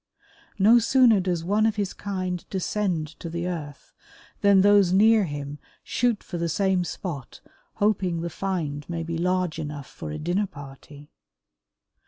No sooner does one of his kind descend to the earth than those near him shoot for the same spot hoping the find may be large enough for a dinner party.